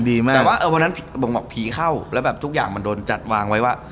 แต่ว่าวันนั้นผมบอกผีเข้าแล้วแบบทุกอย่างมันโดนจัดวางไว้ว่า